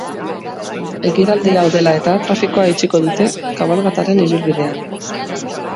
Ekitaldi hau dela eta, trafikoa itxiko dute, kabalgataren ibilbidean.